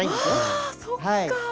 ああそっか！